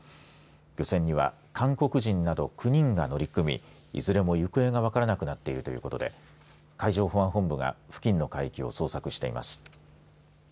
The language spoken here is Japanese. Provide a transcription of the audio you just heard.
漁船には韓国人など９人が乗り組み込みいずれも行方が分からなくなっているということで海上保安本部が付近の海域を捜索しています。